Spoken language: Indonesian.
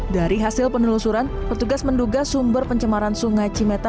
dari hasil penelusuran petugas menduga sumber pencemaran sungai cimeta